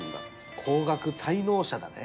高額滞納者だね。